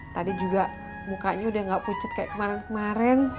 tadi juga mukanya udah enggak pucet kayak kemarin kemarin